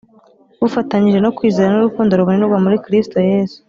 bufatanije no kwizera n’urukundo rubonerwa muri Kristo Yesu.